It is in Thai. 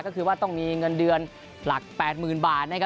ก็คือว่าต้องมีเงินเดือนหลัก๘๐๐๐บาท